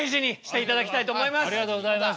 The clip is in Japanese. ありがとうございます。